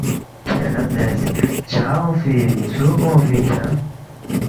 کھیرے نہ زیرس، ”چا اونگفی اِن ژُوک اونگفی اِن کھیانگ؟“